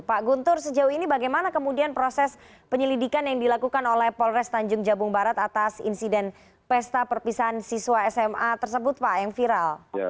pak guntur sejauh ini bagaimana kemudian proses penyelidikan yang dilakukan oleh polres tanjung jabung barat atas insiden pesta perpisahan siswa sma tersebut pak yang viral